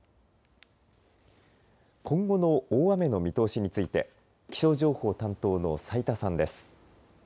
今後の大雨の見通しについて気象情報担当の斉田さんです。